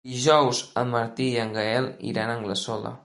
Dijous en Martí i en Gaël iran a Anglesola.